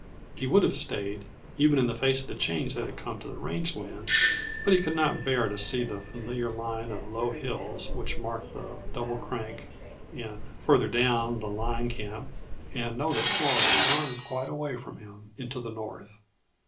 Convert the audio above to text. He would have stayed even in the face of the change that had come to the range land but he could not bear to see the familiar line of low hills which marked the Double Crank and, farther down, the line camp, and know that Flora was gone quite away from him into the North.